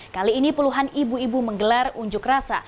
kali ini puluhan ibu ibu menggelar unjuk rasa